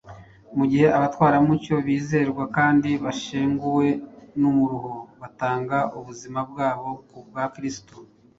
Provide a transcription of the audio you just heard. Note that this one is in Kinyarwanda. Mu gihe abatwaramucyo bizerwa kandi bashenguwe n’umuruho batanga ubuzima bwabo kubwa Kristo